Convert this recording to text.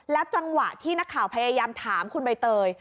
จังหวะที่นักข่าวพยายามถามคุณใบเตย